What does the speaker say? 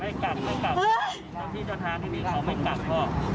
กลับไม่กลับทางที่เจ้าทางทีนี้เขาไม่กลับหรอก